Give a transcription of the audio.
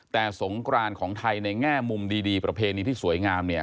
แต่สงกรานของไทยในแง่มุมดีประเพณีที่สวยงามเนี่ย